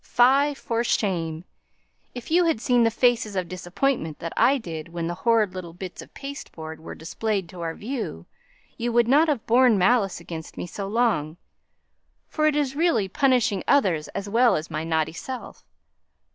Fie for shame! If you had seen the faces of disappointment that I did when the horrid little bits of pasteboard were displayed to our view, you would not have borne malice against me so long; for it is really punishing others as well as my naughty self.